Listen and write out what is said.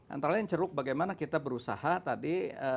antara lain ceruk bagaimana kita berusaha tadi